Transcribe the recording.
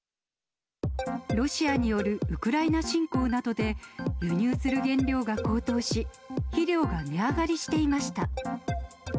ロシアによるウクライナ侵攻などで輸入する原料が高騰し、肥料が値上がりしていました。